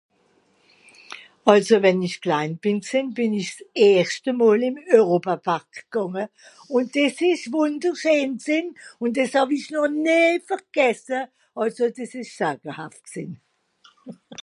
also wann esch klain be g'sehn bìn esch s'erschte mol im Europapark gange un des esch wunderscheen gsehn un des hawie schon nie vergesse also des esch ... gsehn